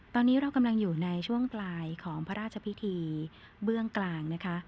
ตอนนี้เรากำลังอยู่ในช่วงปลายของพระราชพิธีเบื้องกลางนะคะ